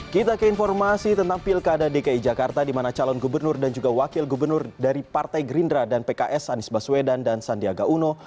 kita ke informasi tentang pilkada dki jakarta di mana calon gubernur dan juga wakil gubernur dari partai gerindra dan pks anies baswedan dan sandiaga uno